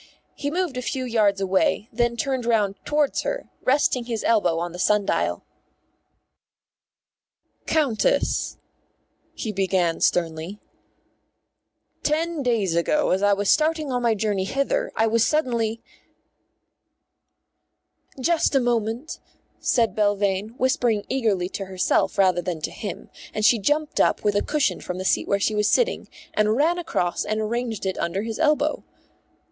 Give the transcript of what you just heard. He moved a few yards away, and then turned round towards her, resting his elbow on the sundial. "Countess," he began sternly, "ten days ago, as I was starting on my journey hither, I was suddenly " "Just a moment," said Belvane, whispering eagerly to herself rather than to him, and she jumped up with a cushion from the seat where she was sitting, and ran across and arranged it under his elbow.